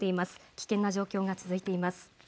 危険な状況が続いています。